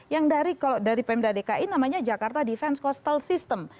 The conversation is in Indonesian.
yang dari pmdadki namanya jakarta defense coastal system